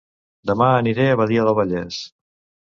Dema aniré a Badia del Vallès